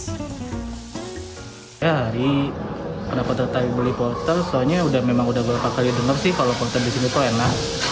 hari hari pada potter tadi beli potter soalnya memang udah berapa kali denger sih kalau potter disini tuh enak